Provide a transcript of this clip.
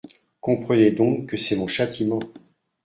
«Comprenez donc que c’est mon châtiment.